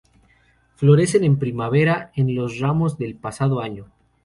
Florecen en primavera en los ramos del pasado año.